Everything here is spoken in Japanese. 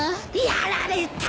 やられた！